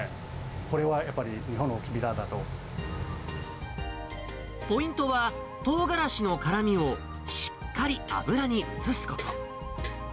これはやっぱり、ポイントは、トウガラシの辛みをしっかり油に移すこと。